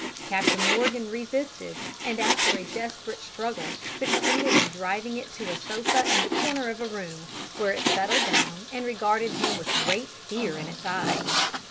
Captain Morgan resisted, and after a desperate struggle succeeded in driving it to a sofa in the corner of the room, where it settled down and regarded him with great fear in its eyes.